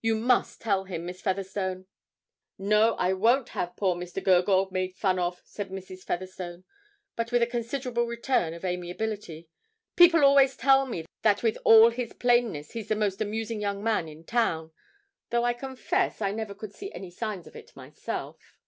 You must tell him, Miss Featherstone.' 'Now I won't have poor Mr. Gurgoyle made fun of,' said Mrs. Featherstone, but with a considerable return of amiability. 'People always tell me that with all his plainness he's the most amusing young man in town, though I confess I never could see any signs of it myself.'